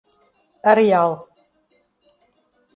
Areal